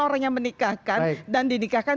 orang yang menikahkan dan dinikahkan